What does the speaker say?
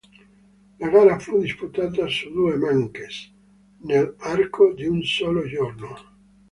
La gara fu disputata su due "manches" nell'arco di un solo giorno.